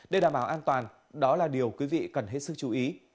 để đảm bảo an toàn đó là điều quý vị cần hết sức chú ý